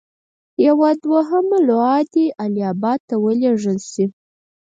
یوه دوهمه لواء دې اله اباد ته ولېږل شي.